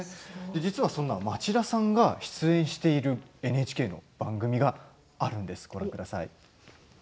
そんな町田さんが出演しているＮＨＫの番組があるんです。